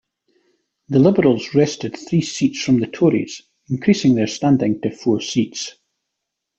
The Liberals wrested three seats from the Tories, increasing their standing to four seats.